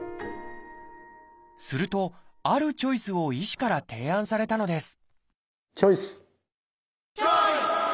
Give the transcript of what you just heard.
するとあるチョイスを医師から提案されたのですチョイス！